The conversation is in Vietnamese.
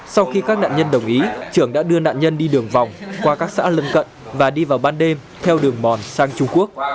sau khi các nạn nhân đồng ý trường đã đưa nạn nhân đi đường vòng qua các xã lân cận và đi vào ban đêm theo đường mòn sang trung quốc